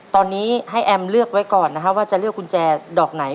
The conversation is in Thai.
ตอนนี้ให้แอมเลือกไว้ก่อนนะครับว่าจะเลือกกุญแจดอกไหน